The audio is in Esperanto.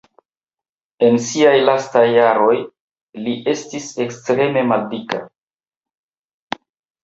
En siaj lastaj jaroj li estas ekstreme maldika.